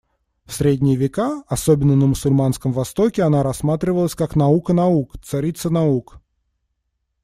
В Средние века, особенно на мусульманском Востоке она рассматривалась как наука наук, царица наук.